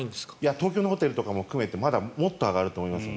東京のホテルとか含めてもっと上がると思います。